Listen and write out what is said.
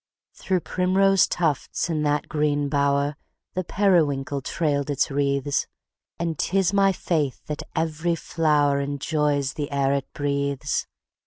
Through primrose tufts, in that green bower, The periwinkle trailed its wreaths; And 'tis my faith that every flower Enjoys the air it breathes.